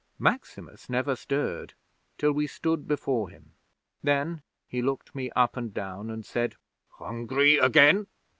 'Maximus never stirred till we stood before him. Then he looked me up and down, and said: "Hungry again?